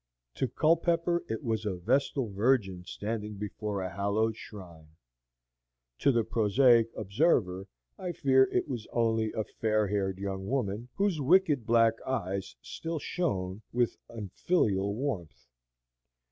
To Culpepper it was a vestal virgin standing before a hallowed shrine; to the prosaic observer I fear it was only a fair haired young woman, whose wicked black eyes still shone with unfilial warmth.